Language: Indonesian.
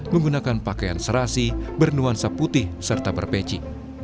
menggunakan pakaian serasi bernuansa putih serta berpeci